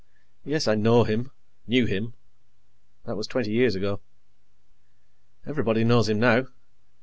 Yes, I know him knew him. That was twenty years ago. Everybody knows him now.